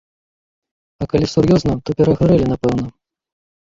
А калі сур'ёзна, то перагарэлі, напэўна.